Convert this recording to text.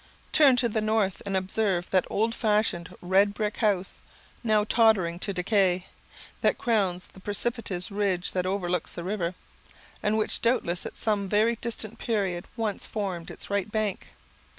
Turn to the north, and observe that old fashioned, red brick house, now tottering to decay, that crowns the precipitous ridge that overlooks the river, and which doubtless at some very distant period once formed its right bank.